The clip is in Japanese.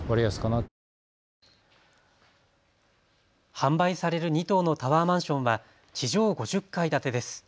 販売される２棟のタワーマンションは地上５０階建てです。